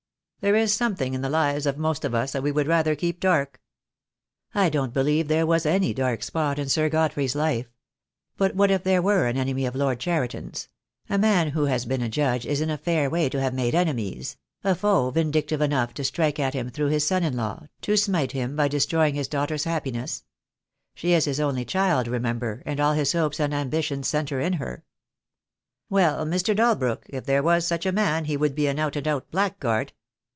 There is something in the lives of most of us that we would rather keep dark." "I don't believe there was any dark spot in Sir God 12* l8o THE DAY WILL COME. frey's life. But what if there were an enemy of Lord Cheriton's — a man who has been a judge is in a fair way to have made enemies — a foe vindictive enough to strike at him through his son in law, to smite him by de stroying his daughter's happiness? She is his only child, remember, and all his hopes and ambitions centre in her." "Well, Mr. Dalbrook, if there was such a man he would be an out and out blackguard."